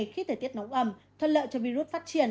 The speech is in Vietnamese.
khi thời tiết nóng ẩm thuận lợi cho virus phát triển